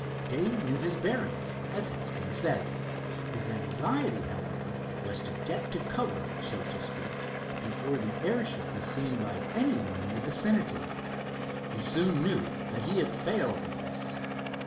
Dave knew his bearings, as has been said. His anxiety, however, was to get to cover, so to speak, before the airship was seen by anyone in the vicinity. He soon knew that he had failed in this.